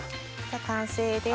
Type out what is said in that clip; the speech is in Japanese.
完成です。